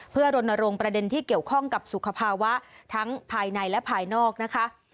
เพื่อรณรงค์ประเด็นที่เกี่ยวข้องกับสุขภาวะทั้งภายในและภายนอกนะคะ